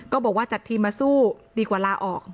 บอกว่าจัดทีมมาสู้ดีกว่าลาออก